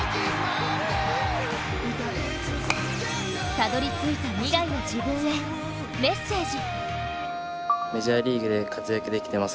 たどり着いた未来の自分へメッセージ。